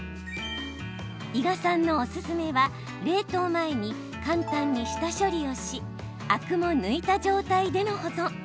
伊賀さんのオススメは冷凍前に簡単に下処理をしアクも抜いた状態での保存。